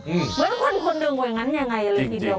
เหมือนคนหนึ่งอย่างนั้นอย่างไรเลยทีเดียว